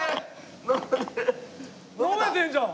飲めてるじゃん！